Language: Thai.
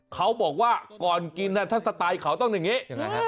เขาบอกว่าก่อนกินถ้าสไตล์เขาต้องอย่างนี้